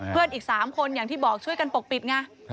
อีก๓คนอย่างที่บอกช่วยกันปกปิดไง